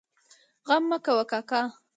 غم مه کوه کاکا!